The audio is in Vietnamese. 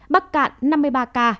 bắc cạn năm mươi ba ca